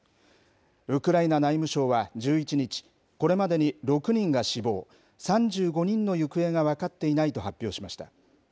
ウクライナ内務省は１１日、これまでに６人が死亡、３５人の行方が分かっていないと発表しました。